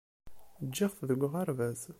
Ǧǧiɣ-t deg uɣerbaz.